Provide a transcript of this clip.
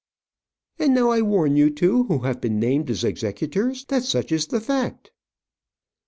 And now, I warn you two, who have been named as executors, that such is the fact."